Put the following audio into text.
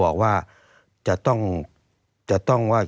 ตั้งแต่ปี๒๕๓๙๒๕๔๘